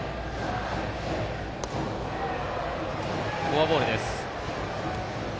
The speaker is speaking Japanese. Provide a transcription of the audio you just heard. フォアボールです。